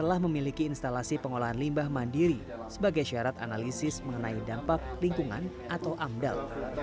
dan telah memiliki instalasi pengolahan limbah mandiri sebagai syarat analisis mengenai dampak lingkungan atau amdal